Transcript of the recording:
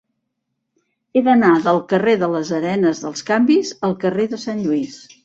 He d'anar del carrer de les Arenes dels Canvis al carrer de Sant Lluís.